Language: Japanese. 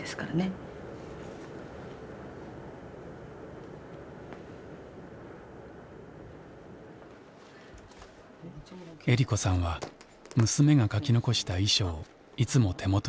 恵利子さんは娘が書き残した遺書をいつも手元に置いています。